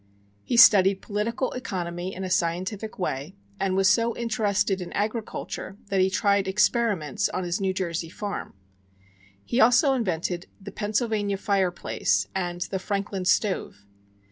He studied political economy in a scientific way, and was so interested in agriculture that he tried experiments on his New Jersey farm. He also invented the "Pennsylvania fireplace" and the "Franklin" stove.